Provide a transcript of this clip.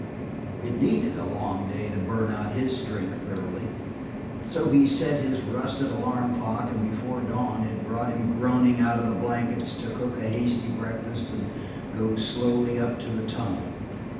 It needed a long day to burn out his strength thoroughly, so he set his rusted alarm clock, and before dawn it brought him groaning out of the blankets to cook a hasty breakfast and go slowly up to the tunnel.